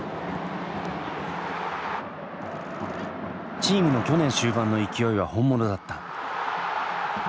チームの去年終盤の勢いは本物だった。